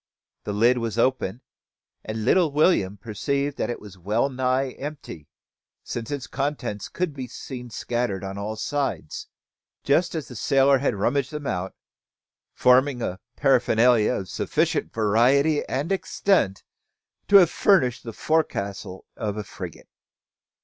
The lid was open, and little William perceived that it was wellnigh empty; since its contents could be seen scattered on all sides, just as the sailor had rummaged them out, forming a paraphernalia of sufficient variety and extent to have furnished the forecastle of a frigate.